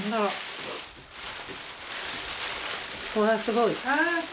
わすごい。